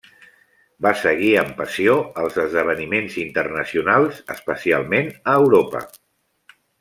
Va seguir amb passió els esdeveniments internacionals, especialment a Europa.